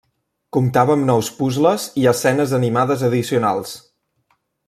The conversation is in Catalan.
Comptava amb nous puzles i escenes animades addicionals.